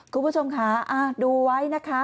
คุณผู้ชมค่ะดูไว้นะคะ